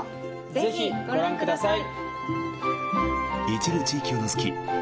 ぜひご覧ください。